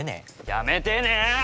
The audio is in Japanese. やめてね。